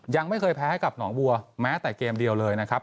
ยังไม่เคยแพ้ให้กับหนองบัวแม้แต่เกมเดียวเลยนะครับ